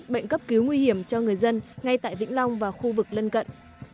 bệnh cấp cứu nguy hiểm cho người dân ngay tại vĩnh long và khu vực lân cận